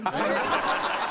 ハハハハ！